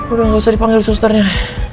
udah gak usah dipanggil susternya